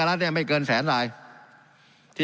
การปรับปรุงทางพื้นฐานสนามบิน